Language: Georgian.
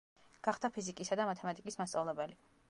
გახდა ფიზიკისა და მათემატიკის მასწავლებელი.